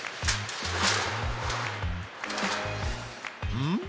うん？